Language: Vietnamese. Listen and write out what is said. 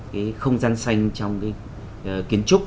là không gian xanh trong cái kiến trúc